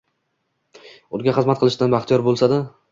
unga xizmat qilishdan baxtiyor bo‘lsada